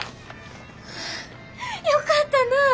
よかったなぁ！